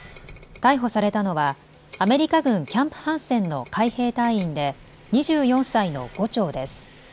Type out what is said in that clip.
逮捕されたのはアメリカ軍キャンプハンセンの海兵隊員で２４歳の伍長です。